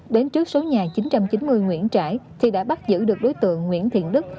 đến trước số nhà chín trăm chín mươi nguyễn trãi thì đã bắt giữ được đối tượng nguyễn thiện đức